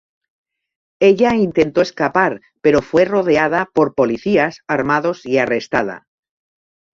Ella intentó escapar pero fue rodeada por policías armados y arrestada.